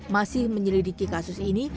masih menyelidiki kasus ini